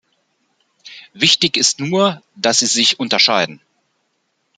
Wichtig ist nur, dass sie sich unterscheiden.